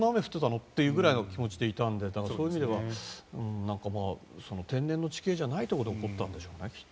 って気持ちでいたのでそういう意味では天然の地形じゃないところで起こったんでしょうね。